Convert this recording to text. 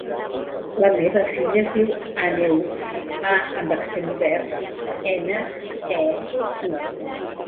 La meva filla es diu Àneu: a amb accent obert, ena, e, u.